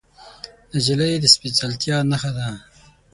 نجلۍ د سپیڅلتیا نښه ده.